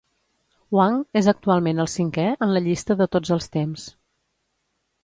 Wang és actualment el cinquè en la llista de tots els temps.